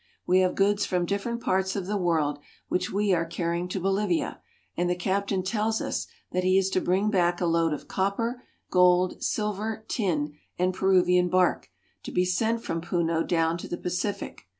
We have goods from different parts of the world which we are carrying to Bolivia, and the captain tells us that he is to bring back a load of copper, gold, silver, tin, and Peruvian bark, to be sent from Puno down to the Pacific.